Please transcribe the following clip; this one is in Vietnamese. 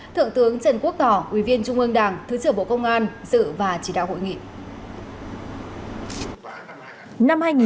thượng tướng trần quốc tỏ ủy viên trung ương đảng thứ trưởng bộ công an dự và chỉ đạo hội nghị